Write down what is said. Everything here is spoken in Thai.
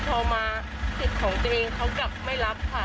พอมาสิทธิ์ของตัวเองเขากลับไม่รับค่ะ